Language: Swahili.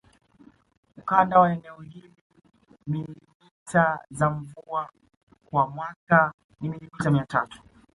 Ukanda wa eneo hili milimita za mvua kwa mwaka ni milimita mia tatu